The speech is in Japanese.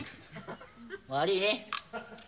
悪いね。